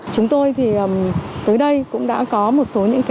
chúng tôi thì tới đây cũng đã có một số những cái